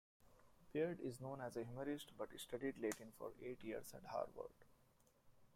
Beard is known as a humorist but studied Latin for eight years at Harvard.